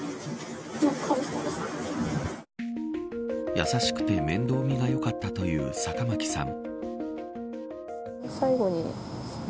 優しくて面倒見がよかったという坂巻さん。